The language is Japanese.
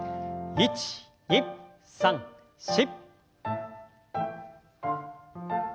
１２３４。